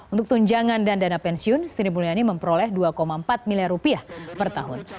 untuk tunjangan dan dana pensiun sri mulyani memperoleh dua empat miliar rupiah per tahun